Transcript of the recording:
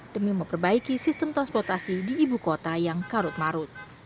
demi memperbaiki sistem transportasi di ibu kota yang karut marut